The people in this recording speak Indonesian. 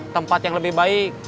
tempat yang lebih baik